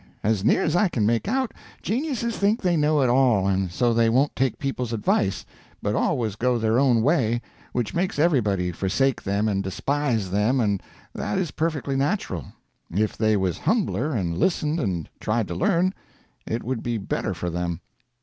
As near as I can make out, geniuses think they know it all, and so they won't take people's advice, but always go their own way, which makes everybody forsake them and despise them, and that is perfectly natural. If they was humbler, and listened and tried to learn, it would be better for them.